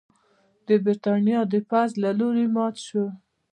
د برېټانیا د پوځ له لوري مات شو.